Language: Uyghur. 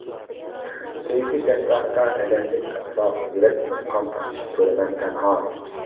سۆيگۈ جەڭگاھىدا ئەلەملىك دادلاپ، يۈرەكتىن قان تامچىپ تۇرىمەن تەنھا.